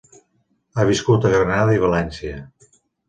Ha viscut a Granada i València.